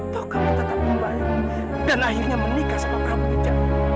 tau kamu tetap membayar dan akhirnya menikah sama prabu wijaya